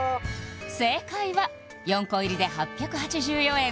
正解は４個入りで８８４円